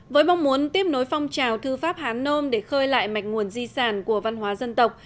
với mong muốn tiếp nối phong trào thư pháp hán nôm để khơi lại mạch nguồn di sản của văn hóa dân tộc